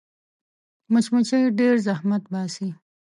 مچمچۍ ډېر زحمت باسي